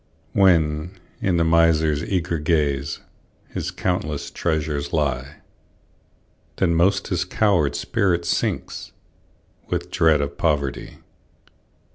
When, in the miser's eager gaze, His countless treasures lie, Then most his coward spirit sinks, With dread of poverty.